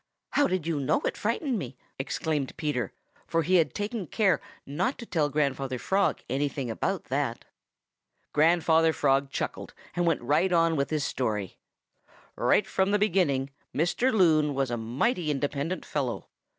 "How did you know it frightened me?" exclaimed Peter, for he had taken care not to tell Grandfather Frog anything about that. Grandfather Frog chuckled and went right on with his story. "Right from the beginning Mr. Loon was a mighty independent fellow.